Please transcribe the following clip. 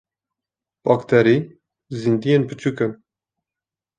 Bakterî zindiyên biçûk in.